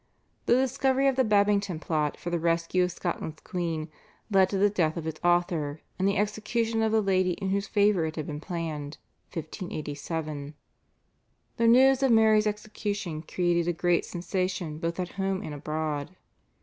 The discovery of the Babington plot for the rescue of Scotland's queen led to the death of its author and the execution of the lady in whose favour it had been planned (1587). The news of Mary's execution created a great sensation both at home and abroad.